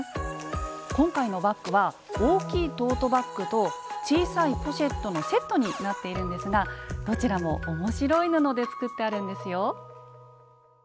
今回のバッグは大きいトートバッグと小さいポシェットのセットになっているんですがどちらも面白い布で作ってあるんですよ。